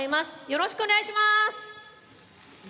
よろしくお願いします。